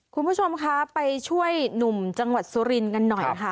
คุณผู้ชมคะไปช่วยหนุ่มจังหวัดสุรินทร์กันหน่อยค่ะ